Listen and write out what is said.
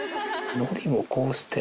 のりもこうして。